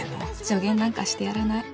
助言なんかしてやらない。